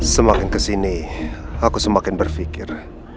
semakin kesini aku semakin berpikir